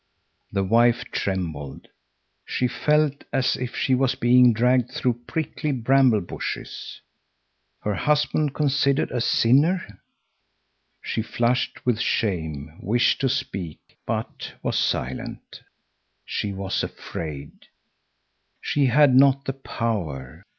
The wife trembled; she felt as if she was being dragged through prickly bramble bushes. Her husband considered a sinner! She flushed with shame, wished to speak, but was silent. She was afraid; she had not the power.